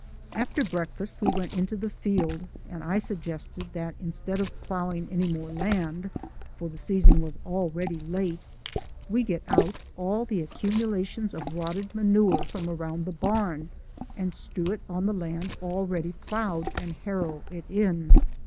After breakfast we went into the field, and I suggested that instead of ploughing any more land for the season was already late we get out all the accumulations of rotted manure from around the barn and strew it on the land already ploughed and harrow it in.